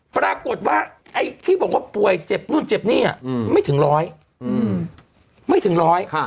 ปรากฏว่าไอ้ที่บอกว่าป่วยเจ็บนู่นเจ็บนี่ไม่ถึงร้อยไม่ถึงร้อย